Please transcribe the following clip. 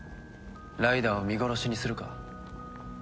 ライダーを見殺しにするか？